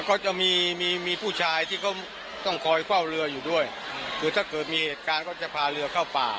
ก็จะมีมีมีผู้ชายที่เขาต้องคอยเฝ้าเรืออยู่ด้วยคือถ้าเกิดมีเหตุการณ์ก็จะพาเรือเข้าป่า